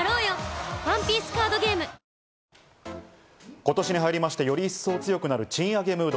今年に入りまして、より一層強くなる賃上げムード。